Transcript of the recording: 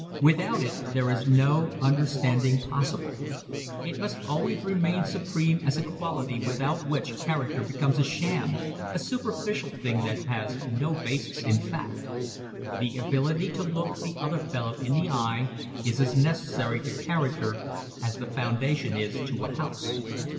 Without it there is no understanding possible. It must always remain supreme as a quality without which character becomes a sham, a superficial thing that has no basis in fact. The ability to look the other fellow in the eye is as necessary to character as the foundation is to a house.